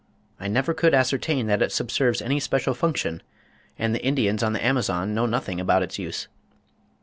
I never could ascertain that it subserves any special function, and the Indians on the Amazon know nothing about its use."